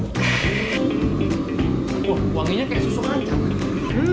wah wanginya kayak susu aja